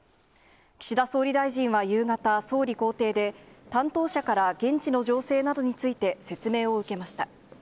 岸田総理大臣は夕方、総理公邸で、担当者から現地の情勢などについて説明を受けました。